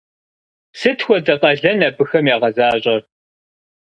Сыт хуэдэ къалэн абыхэм ягъэзащӏэр?